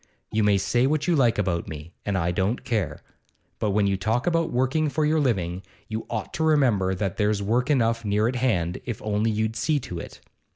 You may say what you like about me, and I don't care; but when you talk about working for your living, you ought to remember that there's work enough near at hand, if only you'd see to it.